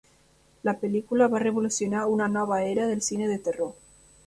La pel·lícula va revolucionar una nova era del cine de terror.